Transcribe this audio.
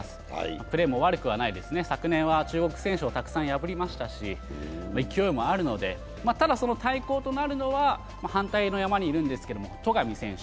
プレーも悪くはないですね、昨年は中国選手をたくさん破りましたし勢いもあるので、ただその対抗となるのは反対の山にいる、戸上選手。